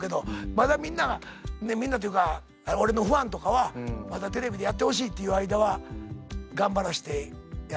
まだみんながみんなというか俺のファンとかはまだテレビでやってほしいっていう間は頑張らしてやらしていただいて。